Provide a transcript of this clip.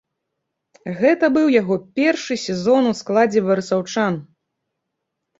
Гэта быў яго першы сезон у складзе барысаўчан.